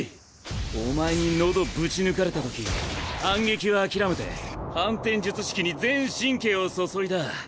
お前に喉ぶち抜かれたとき反撃は諦めて反転術式に全神経を注いだ。